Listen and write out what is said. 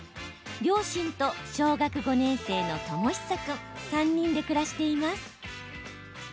両親と小学５年生の丈悠君３人で暮らしています。